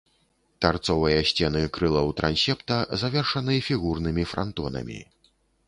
Тарцовыя сцены крылаў трансепта завершаны фігурнымі франтонамі.